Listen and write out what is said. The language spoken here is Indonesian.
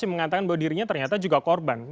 mengatakan bahwa dirinya ternyata juga korban